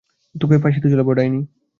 তোকে ফাঁসিতে ঝুলাবো, ডাইনী।